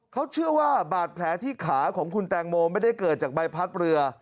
เขาเชื่อว่าบาดแผลที่ขาของคุณแตงโมไม่ได้เกิดจากใบพัดเรือ